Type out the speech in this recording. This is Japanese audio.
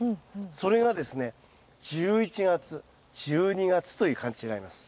それがですね１１月１２月という感じになります。